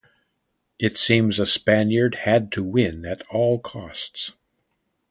It seems a Spaniard had to win at all costs.